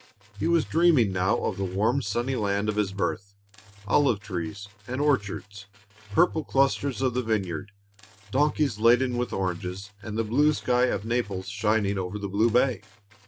He was dreaming now of the warm sunny land of his birth: olive trees and orchards, purple clusters of the vineyards, donkeys laden with oranges, and the blue sky of Naples shining over the blue bay.